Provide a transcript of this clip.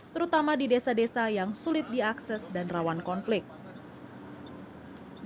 terutama di desa desa yang sulit diakses dan rawan konflik